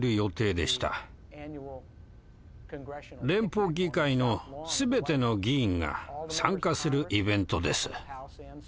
連邦議会の全ての議員が参加するイベントです。